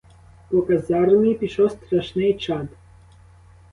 По казармі пішов страшний чад.